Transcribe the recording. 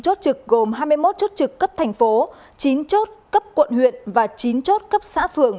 ba mươi chín chốt trực gồm hai mươi một chốt trực cấp thành phố chín chốt cấp quận huyện và chín chốt cấp xã phường